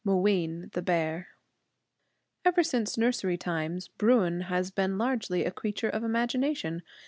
Ever since nursery times Bruin has been largely a creature of imagination.